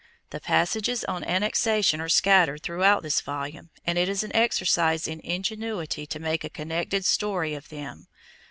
The passages on annexation are scattered through this volume and it is an exercise in ingenuity to make a connected story of them.